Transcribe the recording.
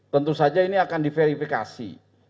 tentu saja ini akan diverifikasi